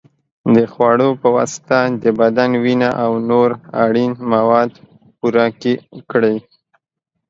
د خوړو په واسطه د بدن وینه او نور اړین مواد پوره کړئ.